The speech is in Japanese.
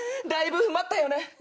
だいぶ待ったよね？